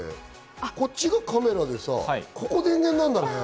こっちがカメラでここが電源なんだね。